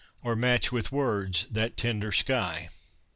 Or match with words that tender sky